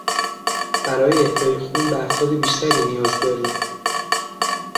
برای اهدای خون به افراد بیشتری نیاز داریم.